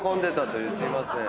すいません。